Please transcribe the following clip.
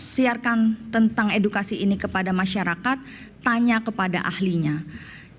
masyarakat tanya kepada ahli ahli masyarakat tentang edukasi ini kepada masyarakat tanya kepada masyarakat tanya kepada masyarakat tanya kepada masyarakat